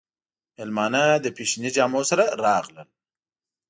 مېلمانه له فېشني جامو سره راغلل.